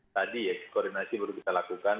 tadi ya koordinasi baru kita lakukan